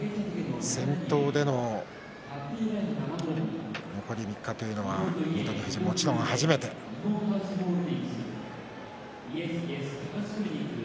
先頭での残り３日というのはもちろん初めてです。